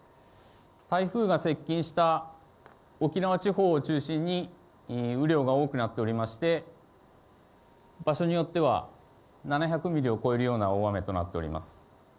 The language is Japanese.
台風が接近した沖縄地方を中心に、雨量が多くなっておりまして、場所によっては、７００ミリを超えるような大雨となっております。